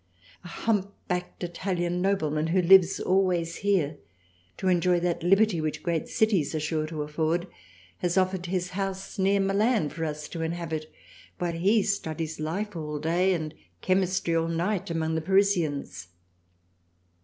A Humpbacked Italian Nobleman who lives always here to enjoy that Liberty which great Cities are sure to afford has offered his House near Milan for us to inhabit, while he studies Life all day and Chemistry all Night among the Parisians.